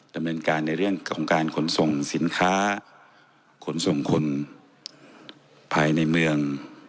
ดำเนินการในเรื่องของการขนส่งสินค้าขนส่งคนภายในเมือง